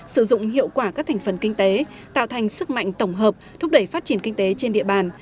sử dụng hiệu quả các thành phần kinh tế tạo thành sức mạnh tổng hợp thúc đẩy phát triển kinh tế trên địa bàn